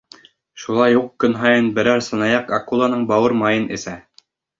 Шулай уҡ ул көн һайын берәр сынаяҡ акуланың бауыр майын эсә.